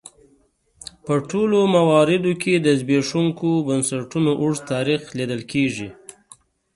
په ټولو مواردو کې د زبېښونکو بنسټونو اوږد تاریخ لیدل کېږي.